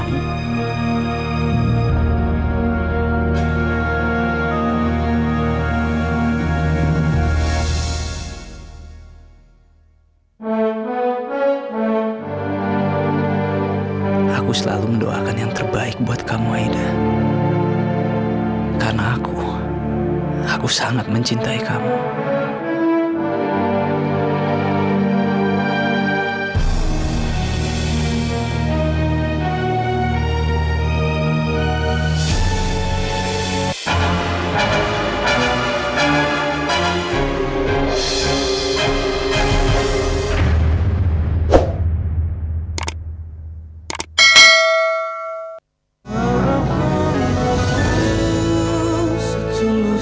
tidak sayang saya cuma mencoba air di depan